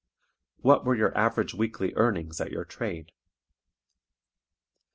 _ WHAT WERE YOUR AVERAGE WEEKLY EARNINGS AT YOUR TRADE?